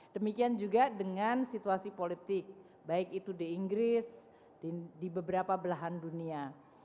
demikian juga dengan situasi politik baik itu di inggris di beberapa belahan dunia